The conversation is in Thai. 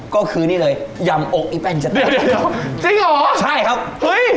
ก็คือนี่เลยยำโอกอีแป้งจะแตกเดี๋ยวเดี๋ยวเดี๋ยวจริงเหรอใช่ครับเฮ้ย